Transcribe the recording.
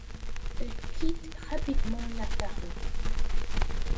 Il quitte rapidement la ferme.